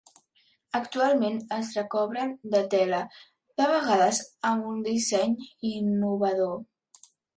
Actualment es recobren de tela, de vegades amb un disseny innovador.